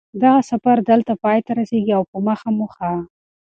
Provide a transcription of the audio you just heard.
دغه سفر دلته پای ته رسېږي او په مخه مو ښه